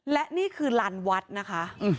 และนี่คือลานวัดนะคะ